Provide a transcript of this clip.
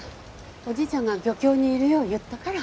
おじいちゃんが漁協にいるよう言ったから。